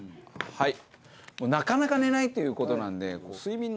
はい。